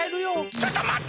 ちょっとまって！